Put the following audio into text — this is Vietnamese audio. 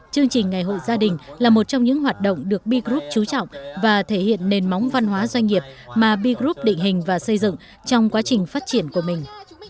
chương trình ngày hội gia đình là một trong những hoạt động được b group trú trọng và thể hiện nền móng văn hóa doanh nghiệp mà b group định hình và xây dựng trong quá trình phát triển của mình